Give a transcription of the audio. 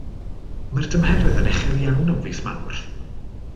Mae'r dymheredd yn uchel iawn am fis Mawrth.